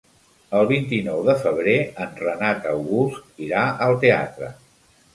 El vint-i-nou de febrer en Renat August irà al teatre.